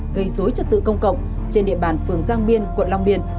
gây dối trật tự công cộng trên địa bàn phường giang biên quận long biên